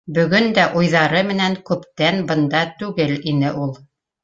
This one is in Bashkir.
Бөгөн дә уйҙары менән күптән бында түгел ине ул.